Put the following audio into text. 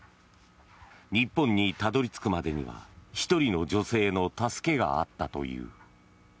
日本にたどり着くまでには１人の女性の助けがあったという。